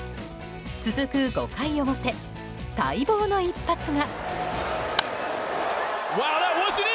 続く５回表、待望の１発が。